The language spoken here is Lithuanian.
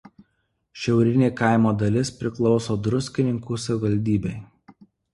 Šiaurinė kaimo dalis priklauso Druskininkų savivaldybei.